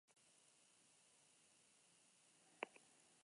Patente bat erregistratu zuen geroago metodologia horrekin.